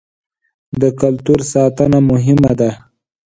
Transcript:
د کلتور ساتنه مهمه ده.